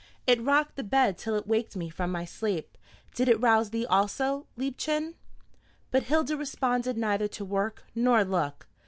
"It rocked the bed till it waked me from my sleep. Did it rouse thee also, Liebchen?" But Hilda responded neither to word nor look.